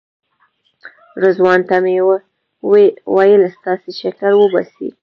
رضوان ته مې ویل تاسې شکر وباسئ.